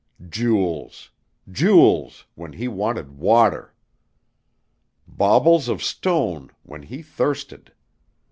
Jewels jewels when he wanted water! Baubles of stone when he thirsted!